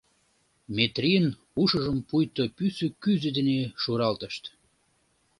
— Метрийын ушыжым пуйто пӱсӧ кӱзӧ дене шуралтышт.